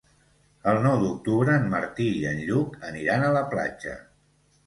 El nou d'octubre en Martí i en Lluc aniran a la platja.